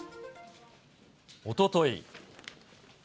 おととい。